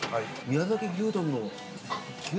宮崎牛丼。